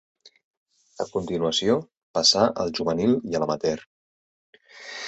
A continuació passà al Juvenil i a l'Amateur.